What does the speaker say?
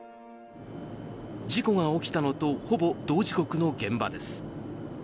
事故が起きたのとほぼ同時刻の現場です。